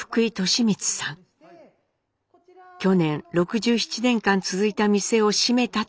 去年６７年間続いた店を閉めたといいます。